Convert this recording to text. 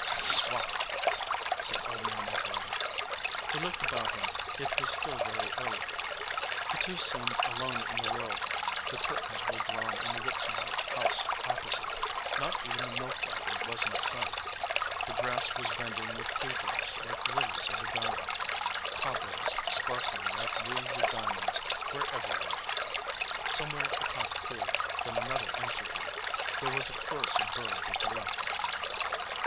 "I swan !" said Old Man Edgewater. He looked about him. It was still very early. The two seemed alone in the world. The curtains were drawn in the Whittemore house opposite, not even the milk wagon was in sight. The grass was bending w r ith dewdrops like lilies of the valley. Cobwebs sparkling like wheels of diamonds were everywhere. Somewhere a cock crew, then an other answered him. There was a chorus of birds at the left.